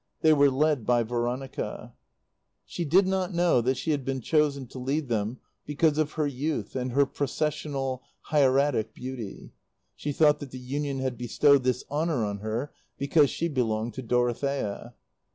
They were led by Veronica. She did not know that she had been chosen to lead them because of her youth and her processional, hieratic beauty; she thought that the Union had bestowed this honour on her because she belonged to Dorothea.